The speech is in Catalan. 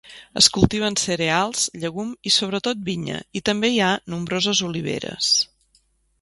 Es cultiven cereals, llegum i sobretot vinya i també hi ha nombroses oliveres.